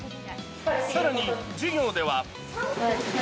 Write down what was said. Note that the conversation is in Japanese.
さらに授業では。